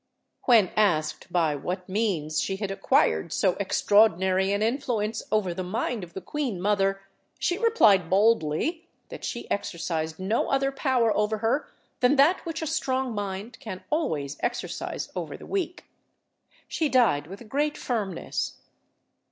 When asked by what means she had acquired so extraordinary an influence over the mind of the Queen Mother, she replied boldly that she exercised no other power over her than that which a strong mind can always exercise over the weak. She died with great firmness.